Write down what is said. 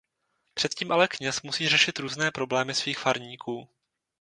Před tím ale kněz musí řešit různé problémy svých farníků.